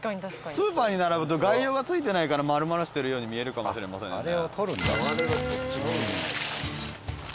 スーパーに並ぶと外葉がついてないから丸々してるように見えるかもしれませんね。